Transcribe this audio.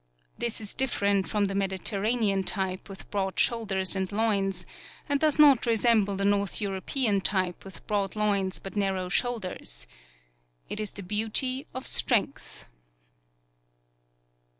This is different from the Mediterranean type with broad shoul ders and loins, and does not resemble the North European type with broad loins, but narrow shoulders* It is the beauty of strength."